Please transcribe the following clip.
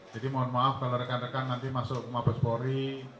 jadi mohon maaf kalau rekan rekan nanti masuk mabes bori